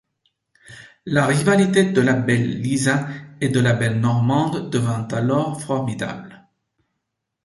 La rivalité de la belle Lisa et de la belle Normande devint alors formidable.